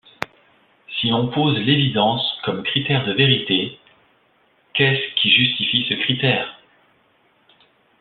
Si on pose l'évidence comme critère de vérité, qu'est-ce qui justifie ce critère?